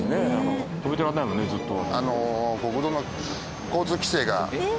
止めてられないもんねずっと。